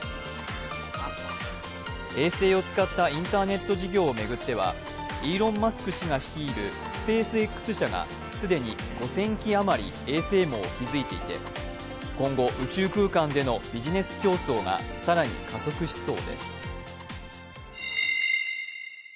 衛星を使ったインターネット事業を巡ってはイーロン・マスク氏が率いるスペースＸ社が既に５０００基あまり衛星網を築いていて今後、宇宙空間でのビジネス競争が更に加速しそうです。